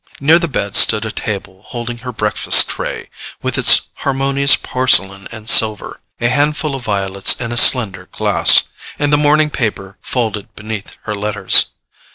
Near the bed stood a table holding her breakfast tray, with its harmonious porcelain and silver, a handful of violets in a slender glass, and the morning paper folded beneath her letters.